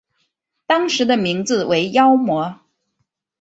当时的名字为妖魔。